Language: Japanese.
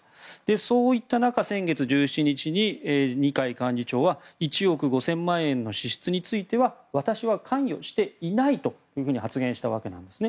そういった中、先月１７日に二階幹事長は１億５０００万円の支出については私は関与していないと発言したわけなんですね。